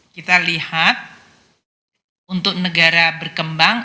kita lihat untuk negara berkembang